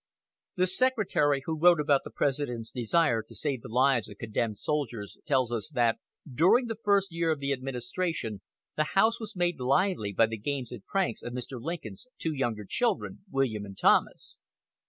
The Secretary who wrote about the President's desire to save the lives of condemned soldiers tells us that "during the first year of the administration the house was made lively by the games and pranks of Mr. Lincoln's two younger children, William and Thomas.